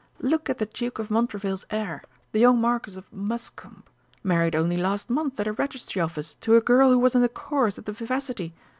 Look at the Duke of Mountravail's heir, the young Marquis of Muscombe married only last month at a registry office to a girl who was in the chorus at the Vivacity!